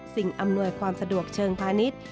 อำนวยความสะดวกเชิงพาณิชย์